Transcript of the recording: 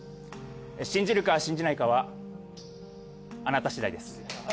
信じるか信じないかはあなた次第です。